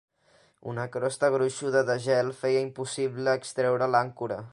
Una crosta gruixuda de gel feia impossible extreure l'àncora.